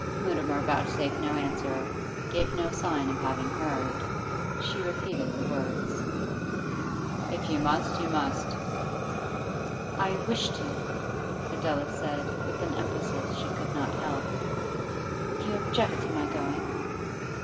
Mutimer vouchsafed no answer, gave no sign of having heard. She repeated the words. 'If you must, you must.' 'I wish to,' Adela said with an emphasis she could not help. 'Do you object to my going?